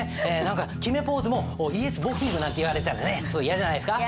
決めポーズも「ＹＥＳ簿記ｉｎｇ」なんて言われたらねすごい嫌じゃないですか。